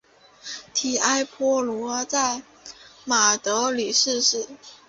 提埃坡罗在马德里逝世。